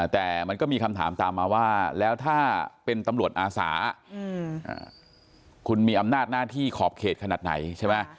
แต่มันก็มีคำถามตามมาว่าแล้วถ้าเป็นตำรวจอาสาคุณมีอำนาจหน้าที่ขอบเขตขนาดไหนใช่ไหม